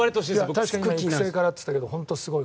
確かに育成からって言ったけど彼はすごい。